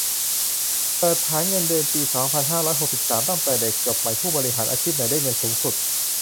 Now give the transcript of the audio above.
เปิดฐานเงินเดือนปี สองพันห้าร้อยหกสิบสาม ตั้งแต่เด็กจบใหม่ผู้บริหาร อาชีพไหนได้เงินสูงสุด